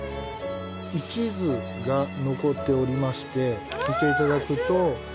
位置図が残っておりまして見て頂くと。